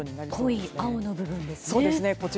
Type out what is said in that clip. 濃い青の部分ですね。